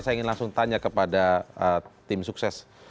saya ingin langsung tanya kepada tim sukses